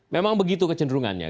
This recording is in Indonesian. memang begitu kecenderungannya